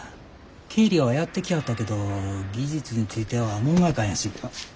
経理はやってきはったけど技術については門外漢やし。